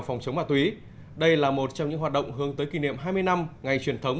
phòng chống ma túy đây là một trong những hoạt động hướng tới kỷ niệm hai mươi năm ngày truyền thống